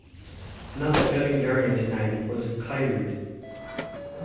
Another early variant name was "Clayroot".